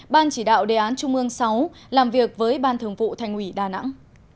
ban chỉ đạo đề án trung ương sáu làm việc với ban thường vụ thành ủy đà nẵng